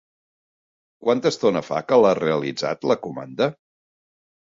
Quanta estona fa que l'ha realitzat, la comanda?